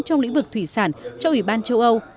trong lĩnh vực thủy sản cho ủy ban châu âu